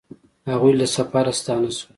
هغوی له سفره ستانه شول